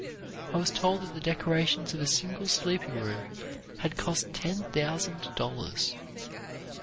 I was told that the decorations of a single sleeping room had cost ten thousand dollars.